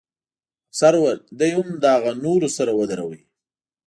افسر وویل: دی هم له هغه نورو سره ودروئ.